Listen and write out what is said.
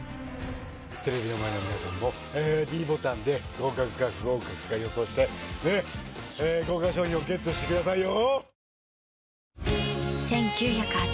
テレビの前の皆さんもｄボタンで合格か不合格か予想してねっ豪華商品をＧＥＴしてくださいよ